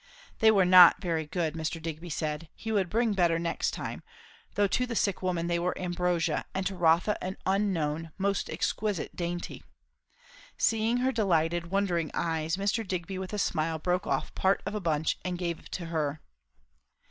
They were not very good, Mr. Digby said; he would bring better next time; though to the sick woman they were ambrosia, and to Rotha an unknown, most exquisite dainty. Seeing her delighted, wondering eyes, Mr. Digby with a smile broke off part of a bunch and gave to her.